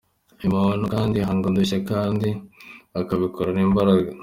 Uyu muntu kandi ahanga udushya kandi akabikorana imbaraga.